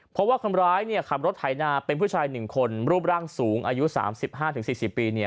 เพราะว่าคนร้ายขับรถไถนาเป็นผู้ชาย๑คนรูปร่างสูงอายุ๓๕๔๐ปี